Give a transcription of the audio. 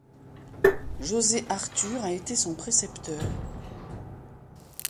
José Artur a été son précepteur.